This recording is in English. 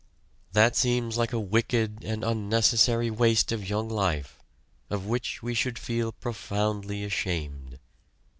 That seems like a wicked and unnecessary waste of young life, of which we should feel profoundly ashamed.